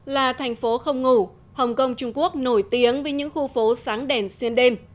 là thành phố không ngủ hồng kông trung quốc nổi tiếng với những khu phố sáng đèn xuyên đêm